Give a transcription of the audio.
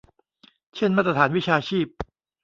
เช่นมาตรฐานวิชาชีพ